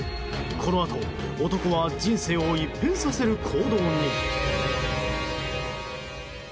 このあと男は人生を一変させる行動に。